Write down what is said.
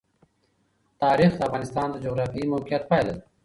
تاریخ د افغانستان د جغرافیایي موقیعت پایله ده.